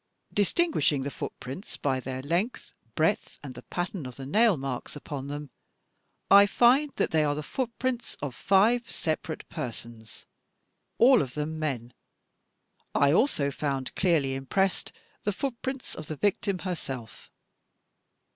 "Distinguishing the bootprints by their length, breadth, and the pattern of the nail marks upon them, I find that they are the foot prints of five separate persons, all of them men. I also found, clearly impressed, the footprints of the victim herself.